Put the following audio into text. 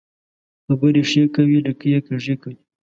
خبري ښې کوې ، لکۍ يې کږۍ کوې.